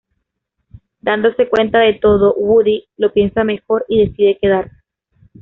Dándose cuenta de todo Woody lo piensa mejor y decide quedarse.